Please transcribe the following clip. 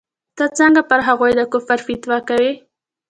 ته څنگه پر هغوى د کفر فتوا کوې.